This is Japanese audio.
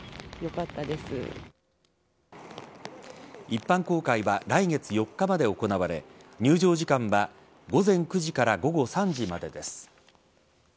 一般公開は来月４日まで行われ入場時間は午前９時から午後３時までです。